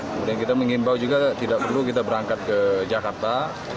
kemudian kita mengimbau juga tidak perlu kita berangkat ke jakarta